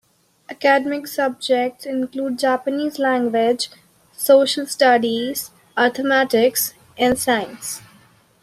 Academic subjects include Japanese language, social studies, arithmetic, and science.